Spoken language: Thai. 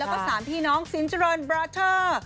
แล้วก็๓พี่น้องสินเจริญบราเทอร์